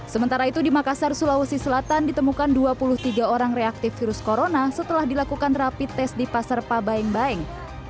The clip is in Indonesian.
sementara itu di makassar sulawesi selatan ditemukan dua puluh tiga orang reaktif virus corona setelah dilakukan rapid test di pasar pabaeng baeng